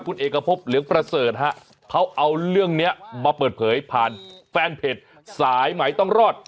คุณเอกพบเหลืองประเสริฐฮะเขาเอาเรื่องนี้มาเปิดเผยผ่านแฟนเพจสายไหมต้องรอด